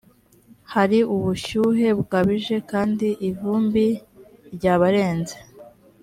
hari ubushyuhe bukabije kandi ivumbi ryabarenze.